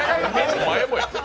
お前もや！